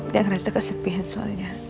ya jangan rasa kesepian soalnya